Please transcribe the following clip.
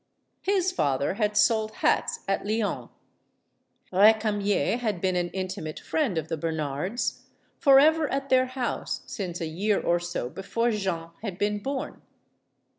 His father had sold hats at Lyons. Recamier had been an intimate friend of the Bernards, forever at their house, since a year or so before Jeanne had been born.